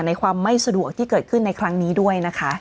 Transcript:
ความไม่สะดวกที่เกิดขึ้นในครั้งนี้ด้วยนะคะ